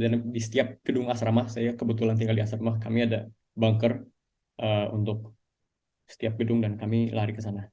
dan di setiap gedung asrama saya kebetulan tinggal di asrama kami ada bunker untuk setiap gedung dan kami lari ke sana